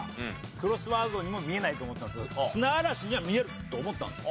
クロスワードにも見えないと思ったんですけど砂嵐には見えると思ったんですよ。